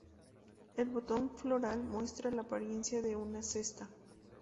El botón floral muestra la apariencia de una cesta.